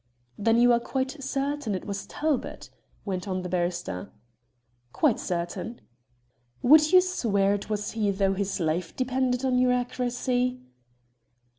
"Then you are quite certain it was Talbot?" went on the barrister. "Quite certain." "Would you swear it was he, though his life depended on your accuracy?"